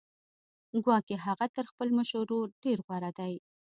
ګواکې هغه تر خپل مشر ورور ډېر غوره دی